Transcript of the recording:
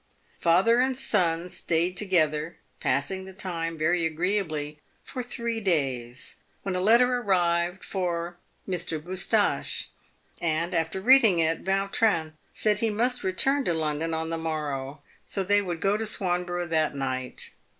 Father and son stayed together, passing the time very agreeably for three days, when a letter arrived for " Mr. Boustache," and, after reading it, Vautrin said he must return to London on the morrow, bo they would go to Swanborough that night.